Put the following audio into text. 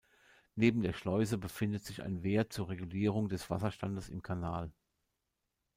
Neben der Schleuse befindet sich ein Wehr zur Regulierung des Wasserstandes im Kanal.